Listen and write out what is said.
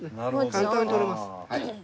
簡単に採れます。